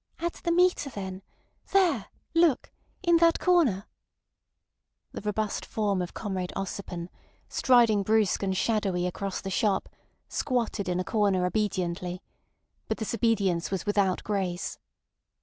"At the meter then! There. Look. In that corner." The robust form of Comrade Ossipon, striding brusque and shadowy across the shop, squatted in a corner obediently; but this obedience was without grace.